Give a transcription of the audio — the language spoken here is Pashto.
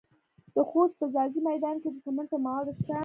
د خوست په ځاځي میدان کې د سمنټو مواد شته.